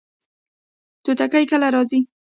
توتکۍ کله راځي؟